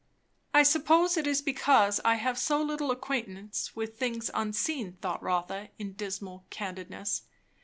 I suppose it is because I have so little acquaintance with things unseen, thought Rotha in dismal candidness.